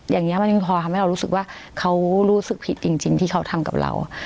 อย่างนี้มันยังพอทำให้เรารู้สึกว่าเขารู้สึกผิดจริงที่เขาทำกับเรา